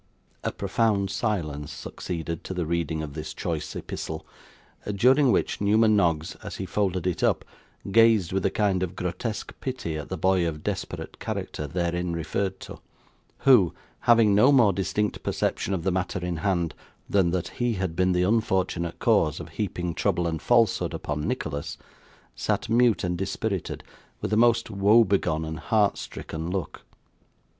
A profound silence succeeded to the reading of this choice epistle, during which Newman Noggs, as he folded it up, gazed with a kind of grotesque pity at the boy of desperate character therein referred to; who, having no more distinct perception of the matter in hand, than that he had been the unfortunate cause of heaping trouble and falsehood upon Nicholas, sat mute and dispirited, with a most woe begone and heart stricken look.